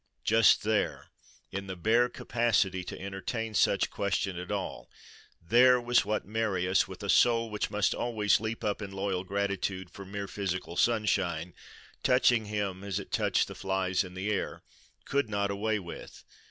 Just there, in the bare capacity to entertain such question at all, there was what Marius, with a soul which must always leap up in loyal gratitude for mere physical sunshine, touching him as it touched the flies in the air, could not away with.